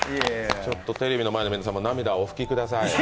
テレビの前の皆さんも涙をお拭きください。